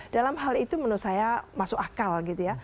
dalam hal itu menurut saya masuk akal gitu ya